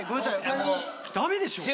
⁉ダメでしょ！